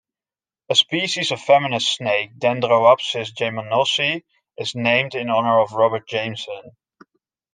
A species of venomous snake, "Dendroaspis jamesoni", is named in honor of Robert Jameson.